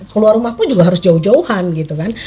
keluar rumah pun juga harus jauh jauhan gitu kan